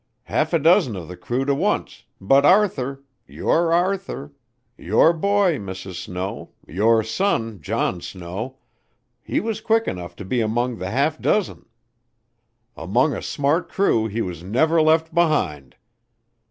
Half a dozen of the crew to once, but Arthur, your Arthur, your boy, Mrs. Snow, your son, John Snow he was quick enough to be among the half dozen. Among a smart crew he was never left behind.